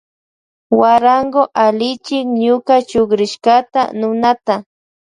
Guarango allichin ñuka chukrishkata nunata.